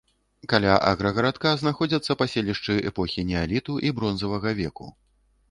Каля аграгарадка знаходзяцца паселішчы эпохі неаліту і бронзавага веку.